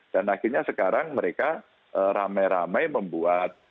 dan akhirnya sekarang mereka ramai ramai membuat